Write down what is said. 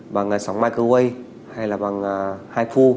bằng sóng microwave hay là bằng hai phu